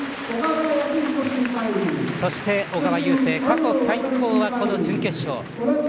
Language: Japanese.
そして、小川雄勢過去最高は準決勝。